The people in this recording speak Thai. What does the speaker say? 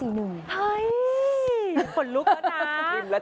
เฮ้ยคนลุกแล้วนะ